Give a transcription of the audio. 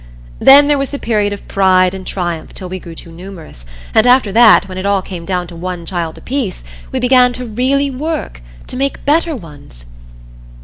Then there was the period of pride and triumph till we grew too numerous; and after that, when it all came down to one child apiece, we began to really work to make better ones."